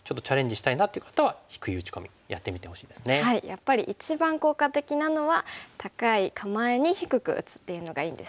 やっぱり一番効果的なのは高い構えに低く打つっていうのがいいんですね。